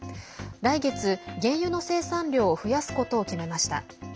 来月、原油の生産量を増やすことを決めました。